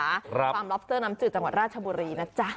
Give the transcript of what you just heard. ฟาร์มล็อบเตอร์น้ำจืดจังหวัดราชบุรีนะจ๊ะ